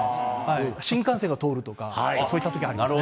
新幹線が通るとか、そういったときはありますね。